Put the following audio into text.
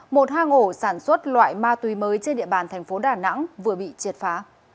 một hang ổ sản xuất loại ma túy mới trên địa bàn tp đà nẵng vừa bị triệt phá